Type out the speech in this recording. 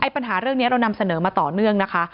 ปัญหาเรื่องนี้เรานำเสนอมาต่อเนื่องนะคะ